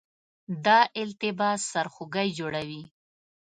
دا التباس سرخوږی جوړوي.